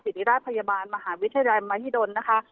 ศิริราชพยาบาลมหาวิทยาลัยมหิดลนะคะ